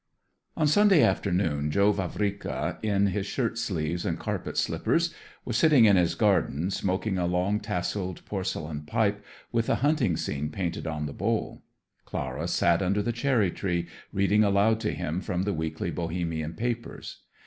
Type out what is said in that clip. V On Sunday afternoon Joe Vavrika, in his shirt sleeves and carpet slippers, was sitting in his garden, smoking a long tasseled porcelain pipe with a hunting scene painted on the bowl. Clara sat under the cherry tree, reading aloud to him from the weekly Bohemian papers.